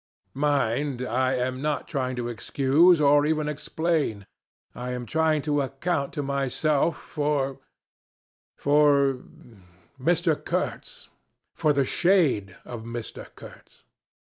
Mind, I am not trying to excuse or even explain I am trying to account to myself for for Mr. Kurtz for the shade of Mr. Kurtz.